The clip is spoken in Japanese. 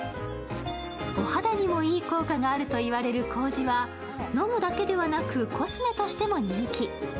お肌にもいい効果があると言われる糀は、飲むだけでなくコスメとしても人気。